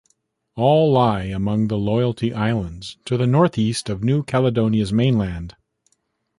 All lie among the Loyalty Islands, to the northeast of New Caledonia's mainland.